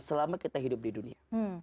selama kita hidup di dunia